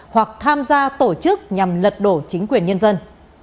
hoặc tham gia tổ chức nhằm lật đổ chính quyền nhân dân